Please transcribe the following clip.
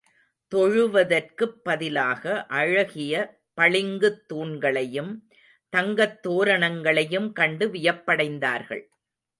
தொழுவதற்குப் பதிலாக அழகிய பளிங்குத் தூண்களையும், தங்கத் தோரணங்களையும் கண்டு வியப்படைந்தார்கள்.